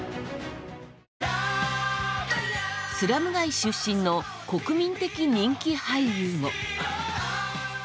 スラム街出身の国民的人気俳優も。